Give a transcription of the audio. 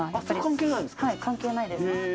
それ関係ないんですか？